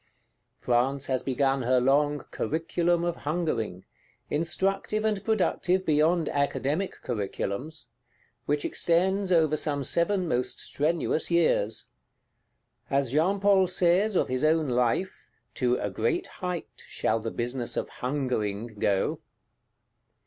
France has begun her long Curriculum of Hungering, instructive and productive beyond Academic Curriculums; which extends over some seven most strenuous years. As Jean Paul says, of his own Life, "to a great height shall the business of Hungering go."